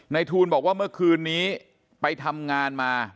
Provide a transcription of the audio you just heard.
ทูลบอกว่าเมื่อคืนนี้ไปทำงานมา